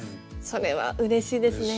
それはうれしいですね。